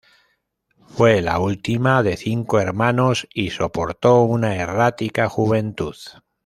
Fue la última de cinco hermanos y soportó una errática juventud.